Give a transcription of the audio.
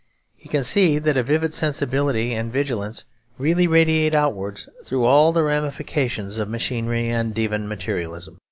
He can see that a vivid sensibility and vigilance really radiate outwards through all the ramifications of machinery and even of materialism.